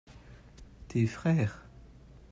tes frères.